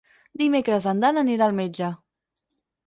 Divendres en Dan anirà al metge.